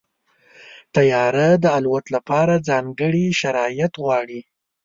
طیاره د الوت لپاره ځانګړي شرایط غواړي.